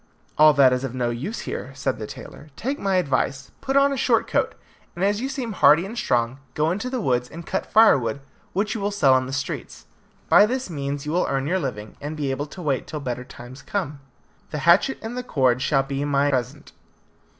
"All that is of no use here," said the tailor. "Take my advice, put on a short coat, and as you seem hardy and strong, go into the woods and cut firewood, which you will sell in the streets. By this means you will earn your living, and be able to wait till better times come. The hatchet and the cord shall be my present."